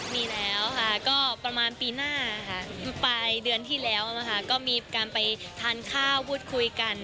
มีแล้วค่ะก็ประมาณปีหน้าค่ะปลายเดือนที่แล้วนะคะก็มีการไปทานข้าวพูดคุยกัน